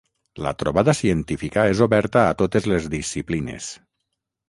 La trobada científica és oberta a totes les disciplines.